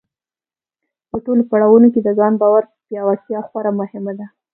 په ټولو پړاوونو کې د ځان باور پیاوړتیا خورا مهمه ده.